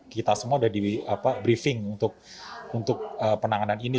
kita semua sudah di briefing untuk penanganan ini